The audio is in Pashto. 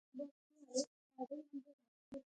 نورستان د افغانانو د تفریح یوه وسیله ده.